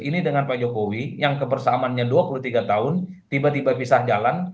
ini dengan pak jokowi yang kebersamaannya dua puluh tiga tahun tiba tiba pisah jalan